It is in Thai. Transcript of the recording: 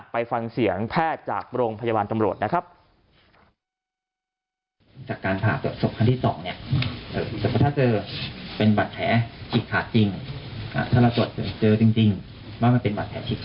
ไปฟังเสียงแพทย์จากโรงพยาบาลตำรวจนะครับ